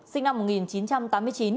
sinh năm một nghìn chín trăm tám mươi chín